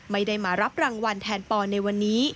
ไม่ได้มารับรางวัลแทนปอในวันนี้